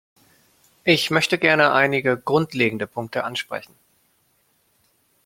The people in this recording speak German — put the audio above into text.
Ich möchte einige grundlegende Punkte ansprechen.